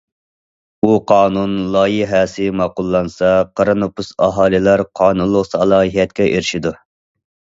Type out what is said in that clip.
بۇ قانۇن لايىھەسى ماقۇللانسا قارا نوپۇس ئاھالىلەر قانۇنلۇق سالاھىيەتكە ئېرىشىدۇ.